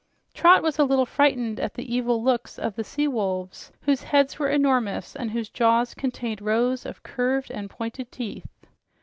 Trot was a little frightened at the evil looks of the sea wolves, whose heads were enormous, and whose jaws contained rows of curved and pointed teeth.